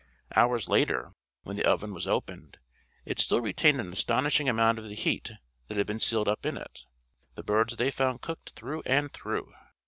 Hours later, when the oven was opened, it still retained an astonishing amount of the heat that had been sealed up in it. The birds they found cooked through and through.